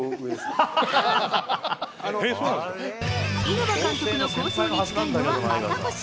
稲葉監督の構想に近いのは赤星。